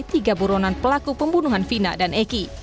tiga buronan pelaku pembunuhan vina dan eki